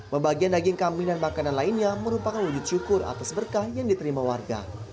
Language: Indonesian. pembagian daging kambing dan makanan lainnya merupakan wujud syukur atas berkah yang diterima warga